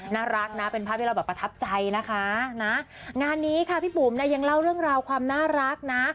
น่ารักนะเป็นภาพที่เราแบบประทับใจนะคะนะงานนี้ค่ะพี่บุ๋มเนี่ยยังเล่าเรื่องราวความน่ารักนะ